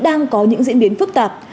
đang có những diễn biến phức tạp